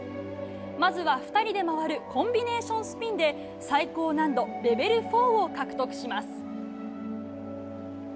まずは２人で回るコンビネーションスピンで最高難度レベル４を獲得します。